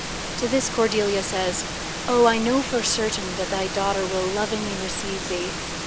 To this Cordelia says: "Oh, I know for certain that thy daughter will lovingly receive thee."